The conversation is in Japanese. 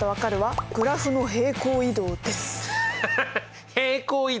ハハハッ平行移動！